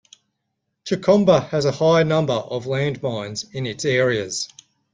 Chikomba has a high number of land mines in its areas.